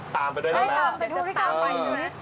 ตามไปด้วยไหมตามไปด้วย